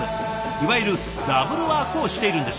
いわゆるダブルワークをしているんです。